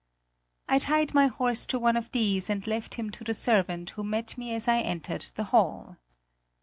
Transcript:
I tied my horse to one of these and left him to the servant who met me as I entered the hall.